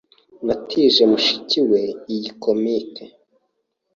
Natije mushiki we iyi comic.